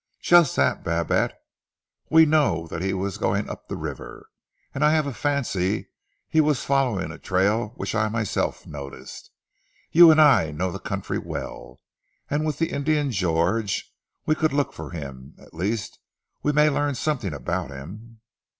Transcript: "Just that, Babette. We know that he was going up the river, and I have a fancy he was following a trail which I myself noticed. You and I know the country well, and with the Indian George, we could look for him. At least we may learn something about him."